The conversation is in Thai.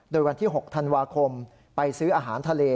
โดยวันที่๖ธันวาคมไปซื้ออาหารทะเล